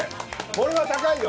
これは高いよ。